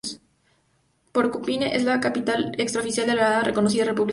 Porcupine es la capital extraoficial de la no reconocida República de Lakota.